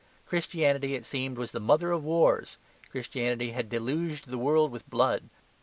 Christianity, it seemed, was the mother of wars. Christianity had deluged the world with blood.